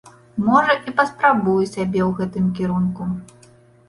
Можа, і паспрабую сябе ў гэтым кірунку.